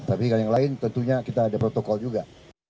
tapi kalau yang lain tentunya kita ada protokol juga